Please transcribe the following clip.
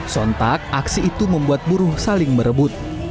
sontak aksi itu membuat buruh saling berebut